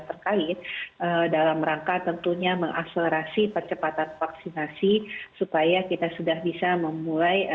terkait dalam rangka tentunya mengakselerasi percepatan vaksinasi supaya kita sudah bisa memulai